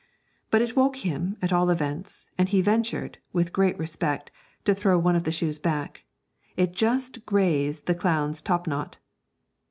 But it woke him, at all events, and he ventured (with great respect) to throw one of the shoes back; it just grazed the clown's top knot.